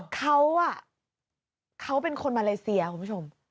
เขาเป็นคนมาเลเซียคุณผู้ชม